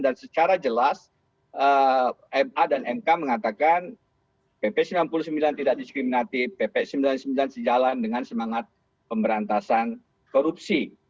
dan secara jelas ma dan mk mengatakan pp sembilan puluh sembilan tidak diskriminatif pp sembilan puluh sembilan sejalan dengan semangat pemberantasan korupsi